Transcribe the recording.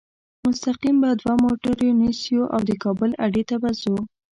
مستقیم به دوه موټره نیسو او د کابل اډې ته به ځو.